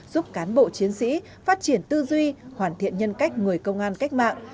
giúp cán bộ chiến sĩ phát triển tư duy hoàn thiện nhân cách người công an cách mạng